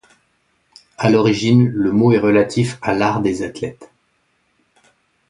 À l'origine, le mot est relatif à l'art des athlètes.